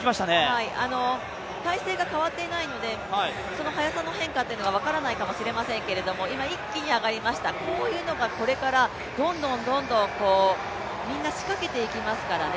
体制が変わっていないのでその速さの変化というのが分からないかもしれませんけれども、今、一気に上がりました、こういうのがこれから、どんどん、どんどん、みんな仕掛けていきますからね。